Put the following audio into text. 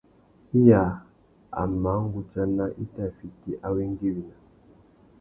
Iya a mà nʼgudzana i tà fiti awéngüéwina.